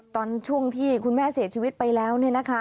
ตอนช่วงที่คุณแม่เสียชีวิตไปแล้ว